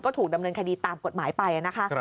ถูกดำเนินคดีตามกฎหมายไปนะคะ